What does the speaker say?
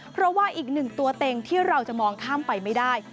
เพราะว่าอีกหนึ่งตัวเต็งที่เราจะมองข้ามไปไม่ได้